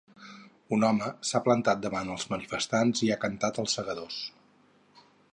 Un home s’ha plantat davant els manifestants i ha cantat ‘Els Segadors’.